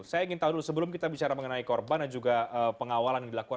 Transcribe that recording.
saya ingin tahu dulu sebelum kita bicara mengenai korban dan juga pengawalan yang dilakukan